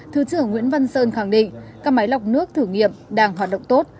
thứ trưởng nguyễn văn sơn khẳng định các máy lọc nước thử nghiệm đang hoạt động tốt